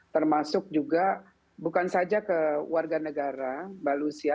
termasuk juga bukan saja ke warga negara mbak lucia